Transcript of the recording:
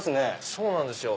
そうなんですよ。